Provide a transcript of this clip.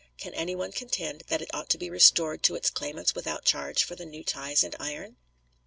Can any one contend that it ought to be restored to its claimants without charge for the new ties and iron?